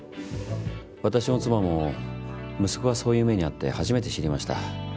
私も妻も息子がそういう目に遭って初めて知りました。